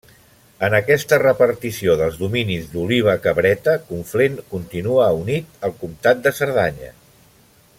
En aquesta repartició dels dominis d'Oliba Cabreta, Conflent continuà unit al comtat de Cerdanya.